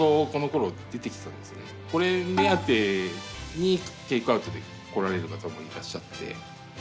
これ目当てにテイクアウトで来られる方もいらっしゃって。